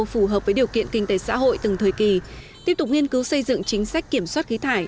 phù hợp với điều kiện kinh tế xã hội từng thời kỳ tiếp tục nghiên cứu xây dựng chính sách kiểm soát khí thải